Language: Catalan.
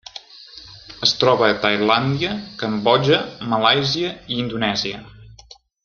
Es troba a Tailàndia, Cambodja, Malàisia i Indonèsia.